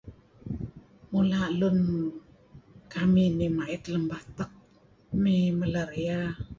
Mula' lun kamih nih ma'it lem batek mey malaria